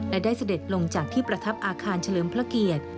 และได้เสด็จลงจากที่ประทับอาคารเฉลิมพระเกียรติ